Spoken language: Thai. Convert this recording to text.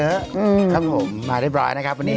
ครับผมมาเรียบร้อยนะครับวันนี้